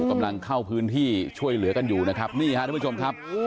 กำลังเข้าพื้นที่ช่วยเหลือกันอยู่นะครับนี่ฮะทุกผู้ชมครับ